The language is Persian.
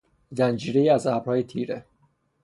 زنجیرهای از ابرهای تیره